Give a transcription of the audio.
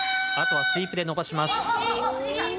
あとはスイープでのばします。